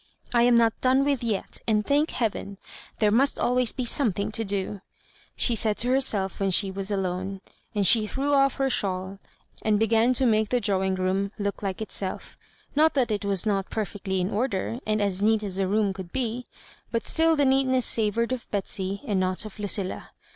" I am not done with yet, and, thank heaven! there must always be something to do," she said to herself when she was alone. And she threw off her shawl, and began to make the drawing room look like itself; not that it was not perfectly in order, and as neat as a room could be ; but stfll the neatness savour^ ed of Betsy, and not of LucOla.